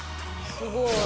すごい。